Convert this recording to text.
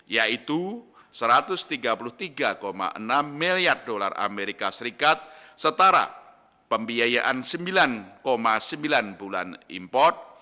yaitu satu ratus tiga puluh tiga enam miliar dolar amerika serikat setara pembiayaan sembilan sembilan bulan import